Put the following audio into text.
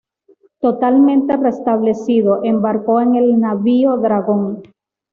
Totalmente restablecido, embarcó en el navío "Dragón".